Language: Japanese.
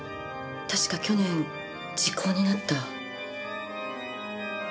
確か去年時効になった。